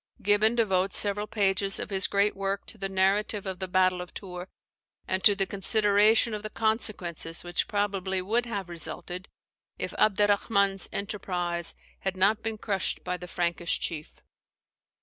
Gibbon devotes several pages of his great work to the narrative of the battle of Tours, and to the consideration of the consequences which probably would have resulted, if Abderrahman's enterprise had not been crushed by the Frankish chief.